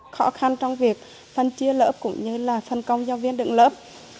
khó khăn trong việc phân chia lớp cũng như là phân công giáo viên đựng lớp